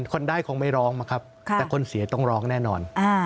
คนได้คงไม่ร้องมั้งครับแต่คนเสียต้องร้องแน่นอน